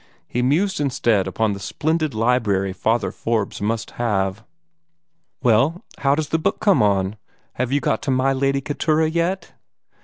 He mused instead upon the splendid library Father Forbes must have. "Well, how does the book come on? Have you got to 'my Lady Keturah' yet?'"